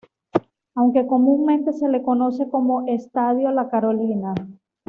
Aunque comúnmente se le conoce como Estadio "La Carolina".